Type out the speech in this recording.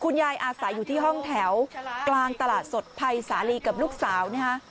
อาศัยอยู่ที่ห้องแถวกลางตลาดสดภัยสาลีกับลูกสาวนะฮะ